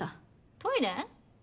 トイレ？